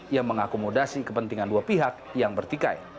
yang mengakomodasi kepentingan dua pihak yang bertikai